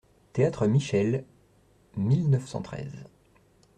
Théâtre Michel, mille neuf cent treize.